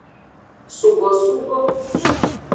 Subosubo.